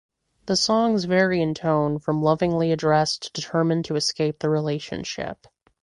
The songs vary in tone from lovingly addressed to determined to escape the relationship.